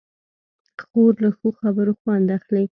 خور له ښو خبرو خوند اخلي.